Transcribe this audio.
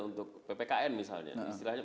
untuk ppkn misalnya istilahnya